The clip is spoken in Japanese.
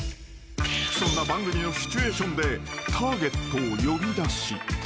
［そんな番組のシチュエーションでターゲットを呼び出し］